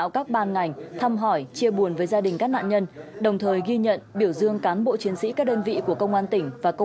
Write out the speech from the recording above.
cảm ơn các bạn đã theo dõi